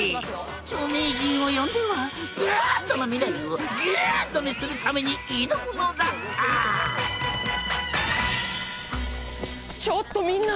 著名人を呼んではＢａｄな未来をＧｏｏｄにするために挑むのだったちょっとみんな！